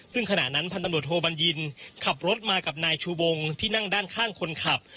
ซึ่งขณะนั้นพันตำรวจโทบัญญินขับรถมากับนายชูวงที่นั่งด้านข้างคนขับ